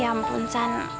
ya ampun san